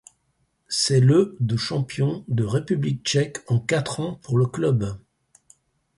C'est le de champion de République tchèque en quatre ans pour le club.